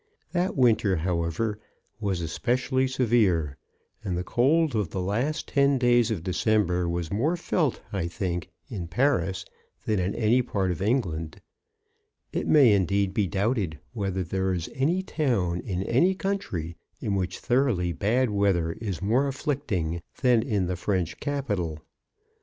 That winter, however, was especially severe, and the cold of the last ten days of December was more felt, I think, in Paris than in any part of England. It may, indeed, be doubted whether there is any town in any country in which thor oughly bad weather is more afflicting than in the French capital.